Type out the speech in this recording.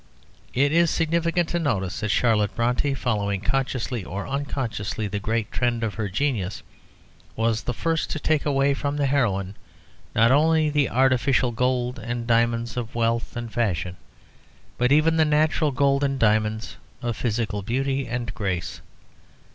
It is significant to notice that Charlotte Brontë, following consciously or unconsciously the great trend of her genius, was the first to take away from the heroine not only the artificial gold and diamonds of wealth and fashion, but even the natural gold and diamonds of physical beauty and grace.